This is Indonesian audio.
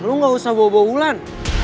lo gak usah bawa bawa wulan